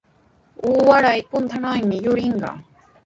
Waray puntrawnawmi yurirqaa.